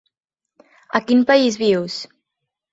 A quin país vius?